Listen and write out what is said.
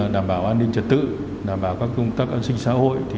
đảm bảo an ninh trật tự đảm bảo các công tác an sinh xã hội